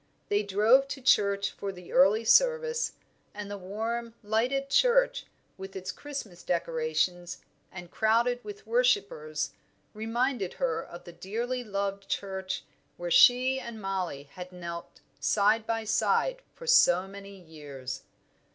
They drove to church for the early service, and the warm, lighted church, with its Christmas decorations, and crowded with worshippers, reminded her of the dearly loved church where she and Mollie had knelt side by side for so many years.